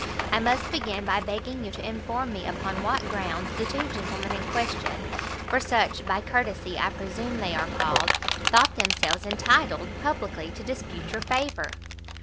I must begin by begging you to inform me upon what grounds the two gentlemen in question, for such, by courtesy, I presume they are called, thought themselves entitled publicly to dispute your favour?"